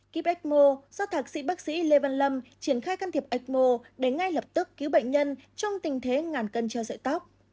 kiếp ecmo do thạc sĩ bác sĩ lê văn lâm triển khai can thiệp ecmo để ngay lập tức cứu bệnh nhân trong tình thế ngàn cân treo sợi tóc